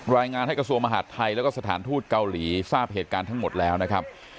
รายงานให้กระทรวงมหาดไทยแล้วก็สถานทูตเกาหลีทราบเหตุการณ์ทั้งหมดแล้วนะครับ